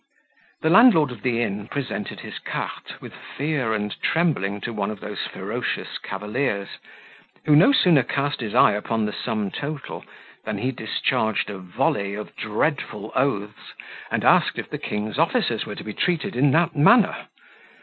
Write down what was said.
The landlord of the inn presented his carte with fear and trembling to one of those ferocious cavaliers, who no sooner cast his eye upon the sum total, than he discharged a volley of dreadful oaths, and asked if the king's officers were to be treated in that manner?